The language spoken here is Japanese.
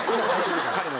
彼の。